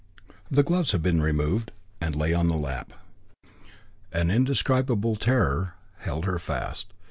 The gloves had been removed and lay on the lap. An indescribable terror held her fast.